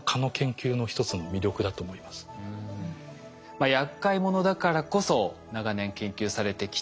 まあやっかい者だからこそ長年研究されてきた蚊。